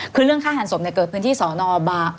คือเรื่องฆ่าหันศพเกิดพื้นที่สอนอบาง